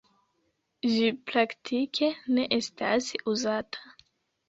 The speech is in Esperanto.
Ĝi praktike ne estas uzata.